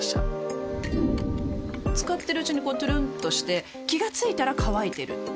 使ってるうちにこうトゥルンとして気が付いたら乾いてる